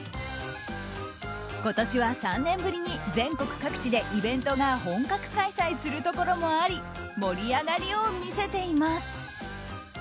今年は、３年ぶりに全国各地でイベントが本格開催するところもあり盛り上がりを見せています。